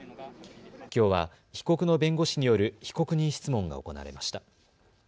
きょうは被告の弁護士による被告人質問が行われました。